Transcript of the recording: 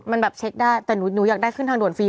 มันแบบเช็คได้แต่หนูอยากได้ขึ้นทางด่วนฟรี